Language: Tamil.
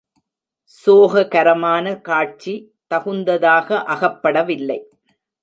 சோககரமான காட்சி தகுந்ததாக அகப்படவில்லை.